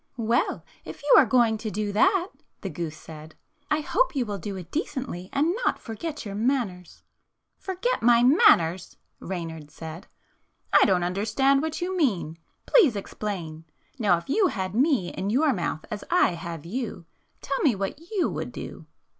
"Well, if you are going to do that," the goose said, "I hope you will do it decently and not forget your manners." "Forget my manners? " Reynard said. "I don't understand what you mean. Please explain. Now if you had me in your mouth as I have you, tell me what you would do."